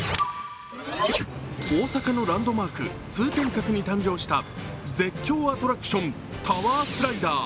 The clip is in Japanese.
大阪のランドマーク、通天閣に誕生した絶叫アトラクション、タワースライダー。